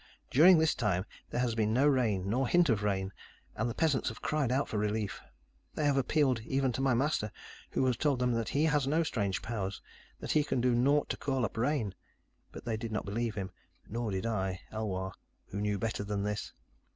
During this time, there has been no rain, nor hint of rain, and the peasants have cried out for relief. They have appealed even to my master, who has told them that he has no strange powers that he can do naught to call up rain. But they did not believe him, nor did I, Elwar, who knew better than this.